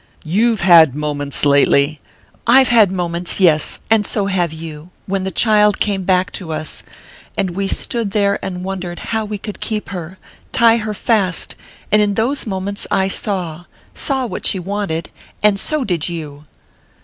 "You've had moments lately !" "I've had moments, yes; and so have you when the child came back to us, and we stood there and wondered how we could keep her, tie her fast...and in those moments I saw...saw what she wanted...and so did you!"